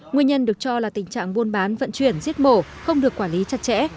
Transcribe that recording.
nguyên nhân được cho là tình trạng buôn bán vận chuyển giết mổ không được quản lý chặt chẽ